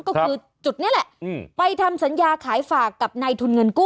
ก็คือจุดนี้แหละไปทำสัญญาขายฝากกับในทุนเงินกู้